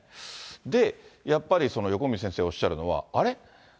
で、やっぱり横道先生おっしゃるのは、あれ？